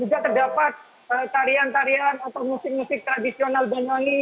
juga terdapat tarian tarian atau musik musik tradisional banyuwangi